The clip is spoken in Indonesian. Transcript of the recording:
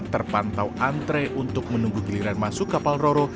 terpantau antre untuk menunggu giliran masuk kapal roro